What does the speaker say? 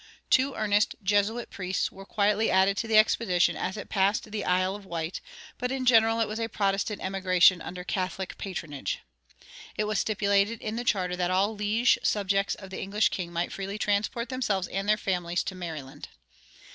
Two earnest Jesuit priests were quietly added to the expedition as it passed the Isle of Wight, but in general it was a Protestant emigration under Catholic patronage. It was stipulated in the charter that all liege subjects of the English king might freely transport themselves and their families to Maryland.